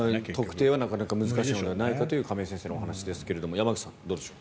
特定はなかなか難しいのではないかという亀井さんのお話ですが山口さん、どうでしょう。